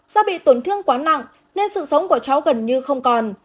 do bị tổn thương quá nặng nên sự sống của cháu gần như không còn